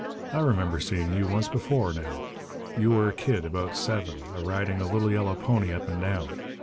I remember seeing you once before, now. You were a kid, about seven, a riding a little yellow pony up and down.